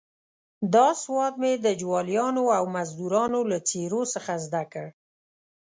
دا سواد مې د جوالیانو او مزدروانو له څېرو څخه زده کړ.